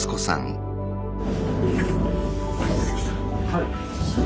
はい。